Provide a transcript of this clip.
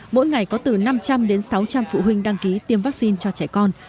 mỗi ngày có từ năm trăm linh đến sáu trăm linh phụ huynh đăng ký tiêm vaccine cho trẻ con